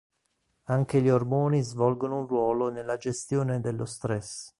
Anche gli ormoni svolgono un ruolo nella gestione dello stress.